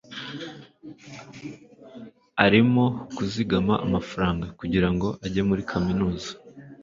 arimo kuzigama amafaranga kugirango ajye muri kaminuza